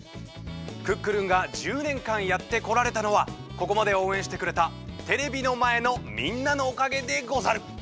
「クックルン」が１０年かんやってこられたのはここまでおうえんしてくれたテレビのまえのみんなのおかげでござる！